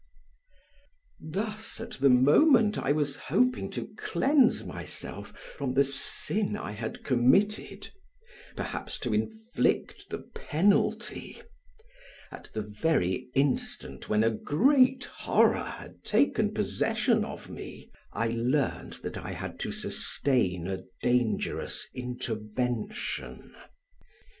Thus at the moment I was hoping to cleanse myself from the sin I had committed, perhaps to inflict the penalty, at the very instant when a great horror had taken possession of me, I learned that I had to sustain a dangerous intervention.